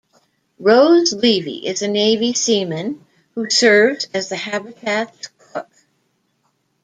Rose Levy is a Navy seaman who serves as the habitat's cook.